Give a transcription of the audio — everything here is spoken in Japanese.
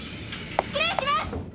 失礼します！